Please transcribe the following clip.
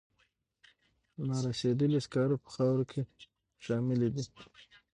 نارسیدلي سکاره په خاورو کې شاملې دي.